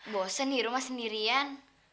bosan di rumah sendirian